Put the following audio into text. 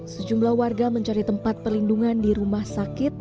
sejumlah warga mencari tempat perlindungan di rumah sakit